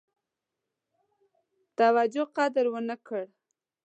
توجه قدر ونه کړه.